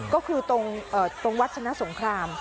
ก็คือตรงวทธนสงคราม